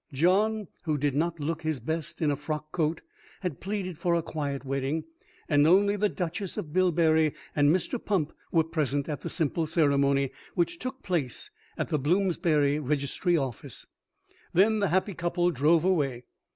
John, who did not look his best in a frock coat, had pleaded for a quiet wedding, and only the Duchess of Bilberry and Mr. Pump were present at the simple ceremony which took place at the Bloomsbury registry office. Then the happy couple drove away.